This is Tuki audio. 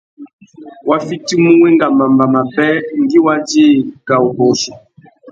Wá fitimú wenga mamba mabê ngüi wa djï kā wu kôchi.